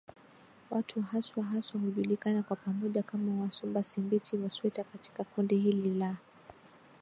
Watu hawa haswa hujulikana kwa pamoja kama WasubaSimbiti Wasweta katika kundi hili la